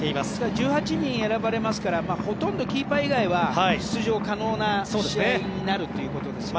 １８人選ばれますからほとんどキーパー以外は出場可能な試合になるということですよね。